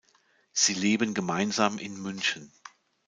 Sie leben gemeinsam in München.